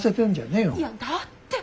いやだって。